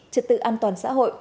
trật tự an toàn xã hội